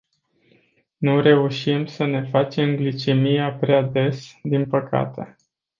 Nu reușim să ne facem glicemia prea des, din păcate.